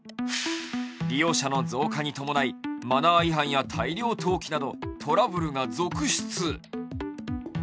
利用者の増加に伴い、マナー違反や大量投棄などトラブルが続出。